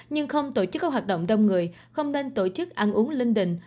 nhưng không tổ chức các hoạt động đông người không nên tổ chức ăn uống linh đình